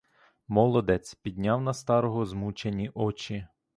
Молодець підняв на старого змучені очі.